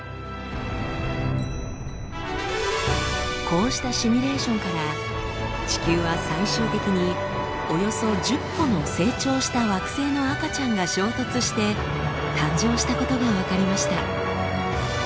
こうしたシミュレーションから地球は最終的におよそ１０個の成長した惑星の赤ちゃんが衝突して誕生したことが分かりました。